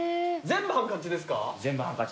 全部ハンカチですか？